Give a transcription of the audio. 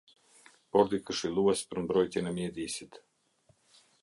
Bordi Këshillues për mbrojtjen e mjedisit.